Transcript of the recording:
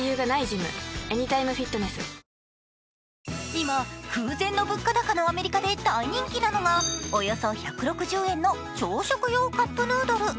今、空前の物価高のアメリカで大人気なのがおよそ１６０円の朝食用カップヌードル。